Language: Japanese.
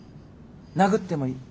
殴ってもいい。